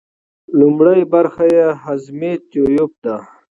لومړۍ برخه یې یو هضمي تیوپ دی.